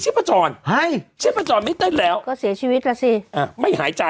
ชิ้นประจอนใช่ชิ้นประจอนไม่ได้แล้วก็เสียชีวิตแล้วสิอ่ะไม่หายใจ